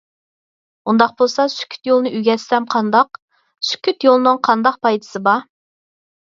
− ئۇنداق بولسا «سۈكۈت» يولىنى ئۆگەتسەم قانداق؟ − «سۈكۈت» يولىنىڭ قانداق پايدىسى بار؟